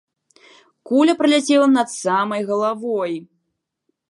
Куля праляцела над самай галавой!